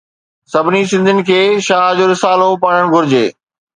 سڀني سنڌين کي شاھ جو رسالو پڙھڻ گھرجي.